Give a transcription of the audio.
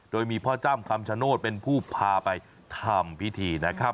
โดยมีพ่อจ้ำคำชโนธเป็นผู้พาไปทำพิธีนะครับ